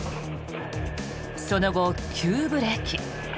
その後、急ブレーキ。